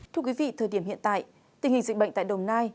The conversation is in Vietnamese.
thưa quý vị thời điểm hiện tại tình hình dịch bệnh tại đồng nai